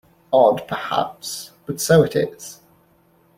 Odd perhaps, but so it is!